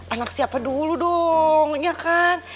anak siapa dulu dong ya kan